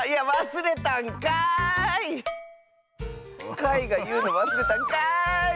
かいがいうのわすれたんかい！